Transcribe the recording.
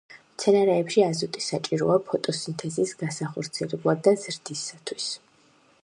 მცენარეებში, აზოტი საჭიროა ფოტოსინთეზის განსახორციელებლად და ზრდისათვის.